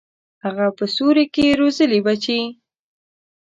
هغه په سیوري کي روزلي بچي